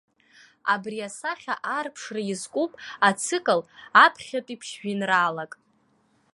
Абри асахьа аарԥшра иазкуп ацикл аԥхьатәи ԥшь-жәеинраалак.